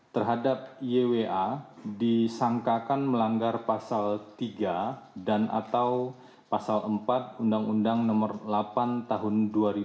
terhadap ywa disangkakan melanggar pasal tiga dan atau pasal empat undang undang nomor delapan tahun dua ribu dua